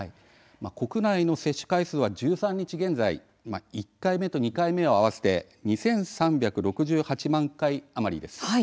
国内の接種回数は１３日現在１回目と２回目合わせて２３６８万回余りです。